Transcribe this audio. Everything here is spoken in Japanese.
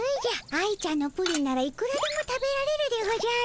愛ちゃんのプリンならいくらでも食べられるでおじゃる。